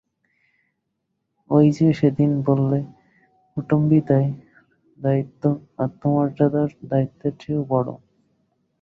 ঐ যে সেদিন বললে, কুটুম্বিতার দায়িত্ব আত্মমর্যাদার দায়িত্বের চেয়েও বড়ো।